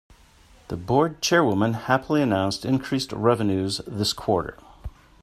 The board chairwoman happily announced increased revenues this quarter.